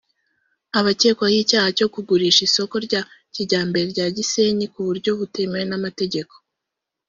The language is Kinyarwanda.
Abakekwaho icyaha cyo kugurisha isoko rya kijyambere rya Gisenyi ku buryo butemewe n’amategeko